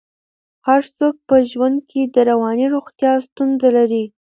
هر څوک په ژوند کې د رواني روغتیا ستونزه لري.